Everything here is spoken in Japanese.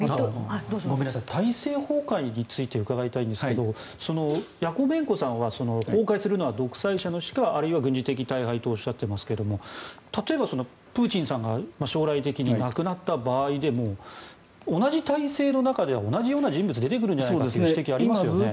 体制崩壊について伺いたいんですがヤコベンコさんは崩壊するのは独裁者の死かあるいは軍事的大敗とおっしゃっていますが例えばプーチンさんが将来的に亡くなった場合でも同じ体制の中で同じような人物が出てくるのではという指摘がありますよね。